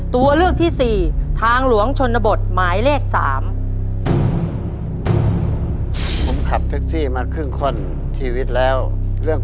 ตัวเลือกที่๔ทางหลวงชนนบทหมายเลข๓